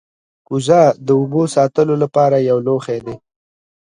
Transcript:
کوزه د اوبو د ساتلو لپاره یو لوښی دی